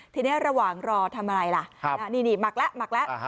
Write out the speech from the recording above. ทีนี้ระหว่างรอทำอะไรล่ะนี่หมักแล้วหมักแล้ว